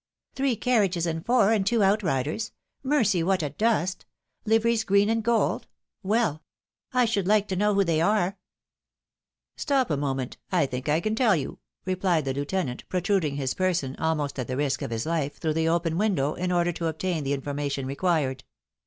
" Three carriages and four, and two outriders ; mercy, what a dust ! Liveries green and gold — well ! I should hke to know who they are !"" Stop a moment ! I think I can tell you," replied the Lieutenant, protruding his person, almost at the risk of his life, through the open window, in order to obtain the information required.